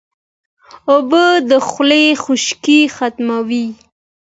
اوبه د خولې خشکي ختموي